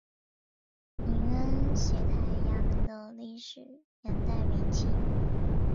闽安协台衙门的历史年代为清。